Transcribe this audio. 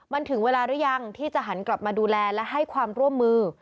มันถึงเวลาหรือยังที่จะหันกลับมาดูแลและให้ความร่วมมือ